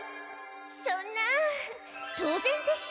そんな当ぜんです！